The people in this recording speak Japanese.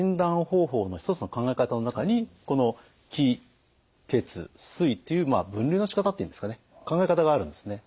方法の一つの考え方の中にこの気・血・水という分類のしかたっていうんですかね考え方があるんですね。